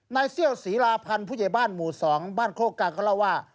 นายเซี่ยวศรีราพันธ์ผู้เจยบ้านหมู่สองบ้านโคกาก็เล่าว่า